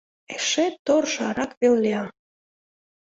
Эше торжарак вел лиям.